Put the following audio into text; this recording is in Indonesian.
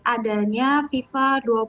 adanya fifa dua puluh